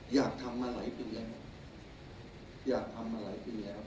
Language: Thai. อยากทำมาหลายปีแล้วอยากทำมาหลายปีแล้ว